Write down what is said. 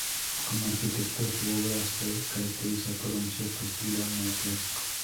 Como arquitecto su obra se caracteriza por un cierto estilo neoclásico.